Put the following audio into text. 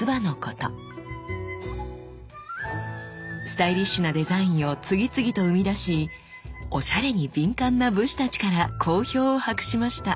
スタイリッシュなデザインを次々と生み出しおしゃれに敏感な武士たちから好評を博しました。